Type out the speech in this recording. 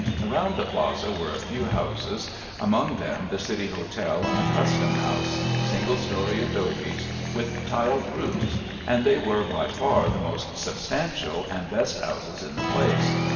Around the Plaza were a few houses, among them the City Hotel and the Custom House, single story adobes with tiled roofs, and they were by far the most substantial and best houses in the place.